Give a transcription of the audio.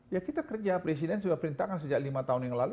ya kita kerja presiden sudah perintahkan sejak lima tahun yang lalu